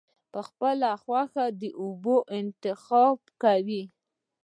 پۀ خپله خوښه د اوبو انتخاب کوي -